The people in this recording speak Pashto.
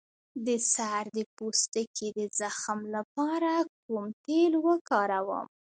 د سر د پوستکي د زخم لپاره کوم تېل وکاروم؟